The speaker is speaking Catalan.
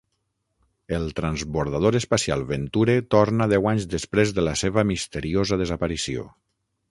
El transbordador espacial "Venture" torna deu anys després de la seva misteriosa desaparició.